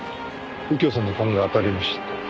右京さんの勘が当たりました。